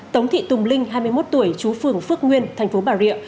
tống thị tùng linh hai mươi một tuổi chú phường phước nguyên thành phố bà rịa